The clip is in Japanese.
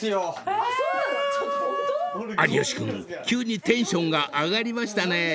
急にテンションが上がりましたね］